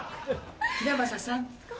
平匡さん。